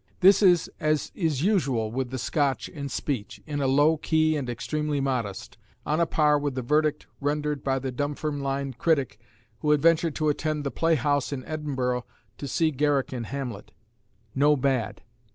This is as is usual with the Scotch in speech, in a low key and extremely modest, on a par with the verdict rendered by the Dunfermline critic who had ventured to attend "the playhouse" in Edinburgh to see Garrick in Hamlet "no bad."